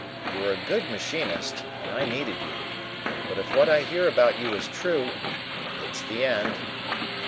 You are a good machinist, and I needed you. But if what I hear about you is true, it is the end."